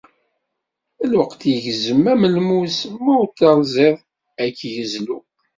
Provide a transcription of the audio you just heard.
Lweqt igezzem am lmus ma ur t-terẓiḍ ad ak-yezlu.